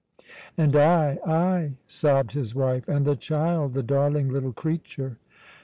"And I I?" sobbed his wife. "And the child, the darling little creature!"